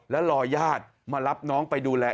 แล้วรอญาติมารับน้องไปดูแล